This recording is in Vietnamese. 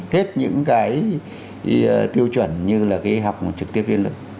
hết những cái tiêu chuẩn như là cái học trực tiếp trên lớp